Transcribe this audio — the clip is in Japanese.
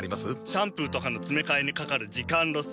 シャンプーとかのつめかえにかかる時間ロス。